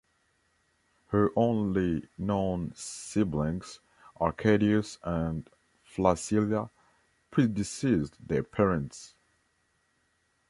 Her only known siblings, Arcadius and Flacilla, predeceased their parents.